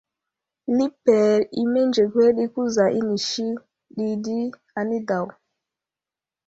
Liper i mənzekwed i kuza inisi ɗi di anidaw.